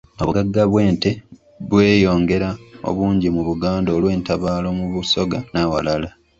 Obugagga bw'ente bweyongera obungi mu Buganda olw'entabaalo mu Busoga n'awalala.